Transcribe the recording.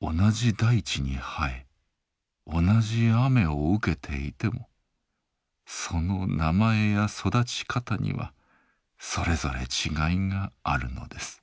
同じ大地に生え同じ雨を受けていてもその名前や育ち方にはそれぞれ違いがあるのです。